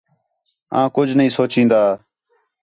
آں کُڄ نھیں سُچین٘دا